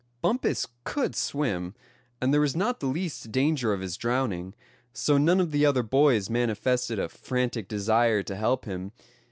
Bumpus could swim, and there was not the least danger of his drowning; so none of the other boys manifested a frantic desire to help him.